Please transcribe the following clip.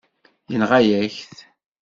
Yenɣa-yak-t.